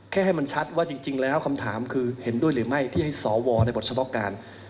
ให้มันชัดว่าจริงแล้วคำถามคือเห็นด้วยหรือไม่ที่ให้สวในบทเฉพาะการ